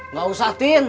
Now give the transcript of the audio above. nggak usah tin